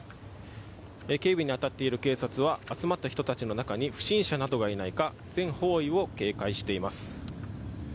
警備に当たっている警察は集まった人たちの中に不審者などがいないか全方位を警戒しています。